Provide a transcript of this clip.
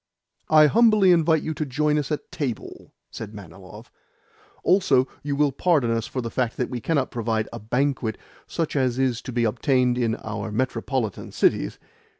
"I humbly invite you to join us at table," said Manilov. "Also, you will pardon us for the fact that we cannot provide a banquet such as is to be obtained in our metropolitan cities?